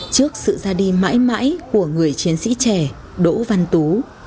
trước sự ra đi mãi mãi của người chiến sĩ trẻ đỗ văn tú